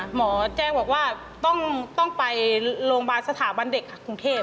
หมอแจ้งบอกว่าต้องไปโรงพยาบาลสถาบันเด็กกรุงเทพ